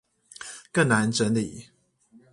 更難整理